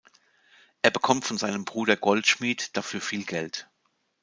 Er bekommt von seinem Bruder Goldschmied dafür viel Geld.